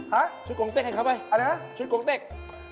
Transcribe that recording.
ฮะชุดกรงเต้นให้เขาไปชุดกรงเต้นอะไรนะ